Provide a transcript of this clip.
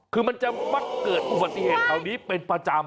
คือมันจะมักเกิดอุบัติเหตุแถวนี้เป็นประจำ